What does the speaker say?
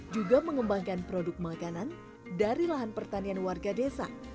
juga mengembangkan produk makanan dari lahan pertanian warga desa